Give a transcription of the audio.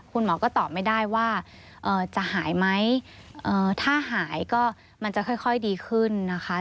คุณหมอก็ตอบไม่ได้ว่าจะหายไหมถ้าหายก็มันจะค่อยดีขึ้นนะคะ